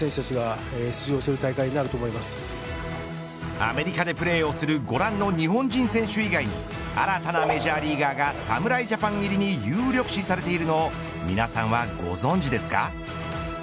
アメリカでプレーをするご覧の日本人選手以外に新たなメジャーリーガーが侍ジャパン入りに有力視されているのを皆さんはご存じですか。